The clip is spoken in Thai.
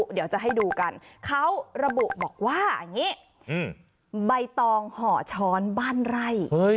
เดี๋ยวจะให้ดูกันเขาระบุบอกว่าอย่างนี้ใบตองห่อช้อนบ้านไร่